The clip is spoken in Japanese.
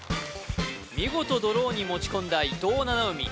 見事ドローに持ち込んだ伊藤七海